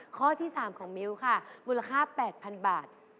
ข้อที่๓ของมิ้วค่ะมูลค่า๘๐๐๐บาท